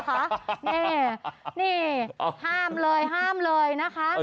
นี่ห้ามเลยห้ามเลยนะคะ